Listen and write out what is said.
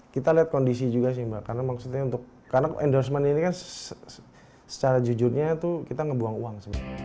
kita lihat kondisi juga sih mbak karena endorsement ini kan secara jujurnya kita ngebuang uang